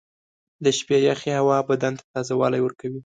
• د شپې یخې هوا بدن ته تازهوالی ورکوي.